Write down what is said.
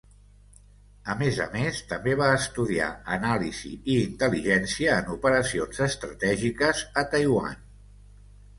A més a més també va estudiar anàlisi i intel·ligència en operacions estratègiques a Taiwan.